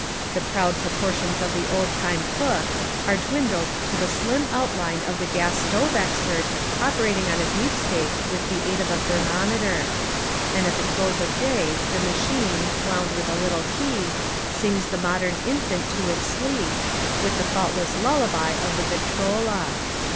The proud proportions of the old time cook, are dwindled to the slim outline of the gas stove expert operating on a beefsteak with the aid of a thermometer. And at the close of day the machine, wound with a little key, sings the modern infant to its sleep, with the fault less lullaby of the Victrola.